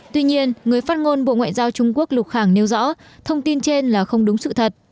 tuy nhiên người phát ngôn bộ ngoại giao trung quốc lục khẳng nêu rõ thông tin trên là không đúng sự thật